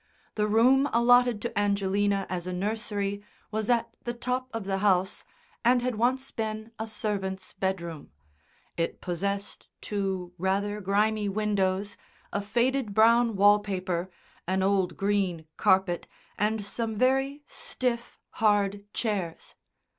The room allotted to Angelina as a nursery was at the top of the house, and had once been a servant's bedroom. It possessed two rather grimy windows, a faded brown wallpaper, an old green carpet, and some very stiff, hard chairs.